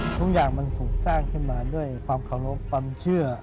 ทุกอย่างมันถูกสร้างขึ้นมาด้วยความเคารพความเชื่อ